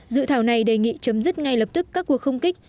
dự thảo này đề nghị chấm dứt ngay lập tức các cuộc không kích